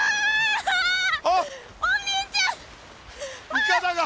いかだが。